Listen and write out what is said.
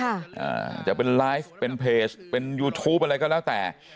อ่าจะเป็นไลฟ์เป็นเพจเป็นยูทูปอะไรก็แล้วแต่